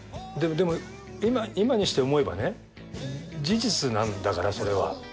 でも今にして思えばね事実なんだからそれは。